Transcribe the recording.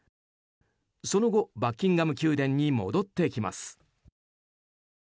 その後、バッキンガム宮殿に戻ってきます。